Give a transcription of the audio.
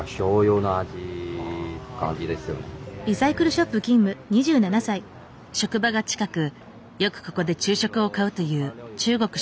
職場が近くよくここで昼食を買うという中国出身の男性。